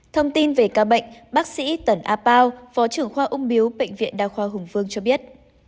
thông tin về ca bệnh bác sĩ tần a pao phó trưởng khoa ung biếu bệnh viện đa khoa hùng vương cho biết